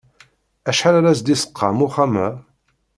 Acḥal ara s-d-isqam uxxam-a?